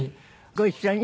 ご一緒に？